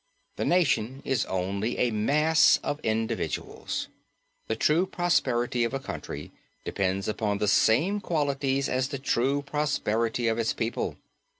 The nation is only a mass of individuals. The true prosperity of a country depends upon the same qualities as the true prosperity of its people.